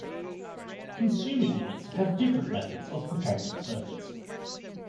Consumer units have different methods of protecting circuits.